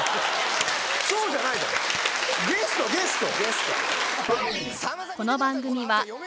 そうじゃないゲストゲスト。